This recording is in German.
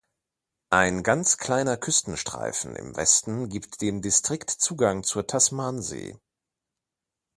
Ein ganz kleiner Küstenstreifen im Westen gibt dem Distrikt Zugang zur Tasmansee.